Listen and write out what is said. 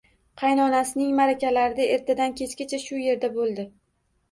Qaynonasining ma`rakalarida ertadan-kechgacha shu erda bo`ldi